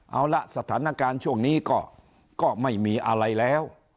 เอาละสถานการณ์ช่วงนี้ก็ไม่มีอะไรแล้ว